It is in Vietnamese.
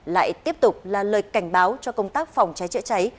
lại tiếp tục là lời cảnh báo cho công tác phòng cháy chữa cháy